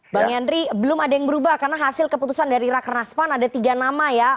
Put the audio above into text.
bang yandri belum ada yang berubah karena hasil keputusan dari rakernas pan ada tiga nama ya